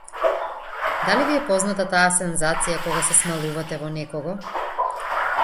Дали ви е позната таа сензација кога се смалувате во некого?